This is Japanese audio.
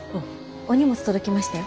お荷物届きましたよ。